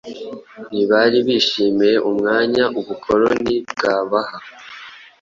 ntibari bishimiye umwanya ubukoloni bwabaha